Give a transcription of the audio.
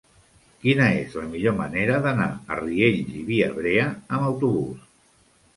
Quina és la millor manera d'anar a Riells i Viabrea amb autobús?